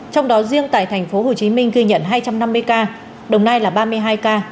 trong đó riêng tại tp hcm ghi nhận hai trăm năm mươi ca đồng nai là ba mươi hai ca